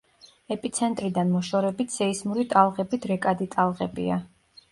ეპიცენტრიდან მოშორებით სეისმური ტალღები დრეკადი ტალღებია.